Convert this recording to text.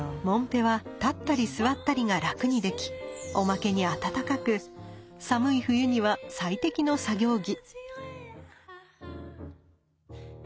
もんぺは立ったり座ったりが楽にできおまけに暖かく寒い冬には最適の作業着。